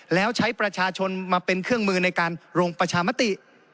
แล้วใช้ประชาชนมาเป็นเครื่องมือในการลงประชามติ